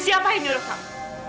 siapa ini menurut kamu